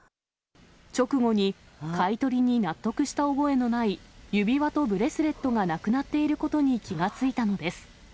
直後に、買い取りに納得した覚えのない、指輪とブレスレットがなくなっていることに気が付いたのです。